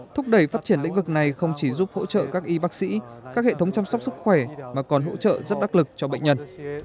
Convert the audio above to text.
thúc đẩy phát triển lĩnh vực này không chỉ giúp hỗ trợ các y bác sĩ các hệ thống chăm sóc sức khỏe mà còn hỗ trợ rất đắc lực cho bệnh nhân